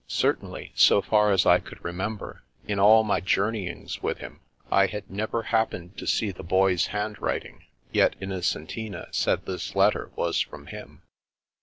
Cer tainly, so far as I could remember, in all my jour neyings with him I had never happened to see the Boy's handwriting. Yet Innocentina said this let ter was from him.